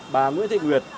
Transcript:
bà nguyễn thị nguyệt